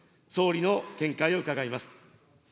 総理の見解を伺います。